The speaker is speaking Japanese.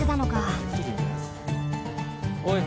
おい。